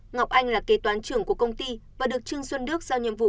ngọc anh là kế toán trưởng của công ty và được trương xuân đức giao nhiệm vụ